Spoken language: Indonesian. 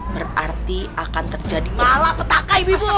berarti akan terjadi malapetaka ibu ibu